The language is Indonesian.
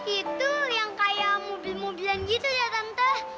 itu yang kayak mobil mobilan gitu ya tante